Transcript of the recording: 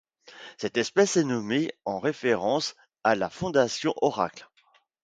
Cette espèce est nommée en référence à la fondation Oracle.